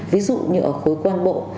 ví dụ như ở khối quan bộ